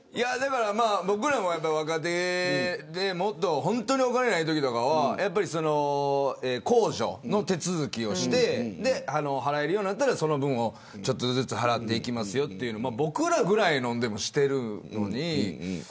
僕らも若手で本当にお金がないときは控除の手続きをして払えるようになったらその分を、ちょっとずつ払っていくというのを僕らみたいなのでもしてるのに。